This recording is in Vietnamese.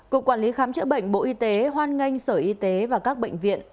cục quản lý khám chữa bệnh bộ y tế hoan nghênh sở y tế và các bệnh viện